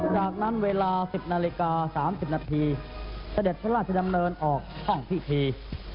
จากนั้นเวลา๑๐นาฬิกา๓๐นาทีเสด็จพระราชดำเนินออกห้องพิธี